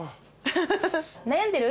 悩んでる？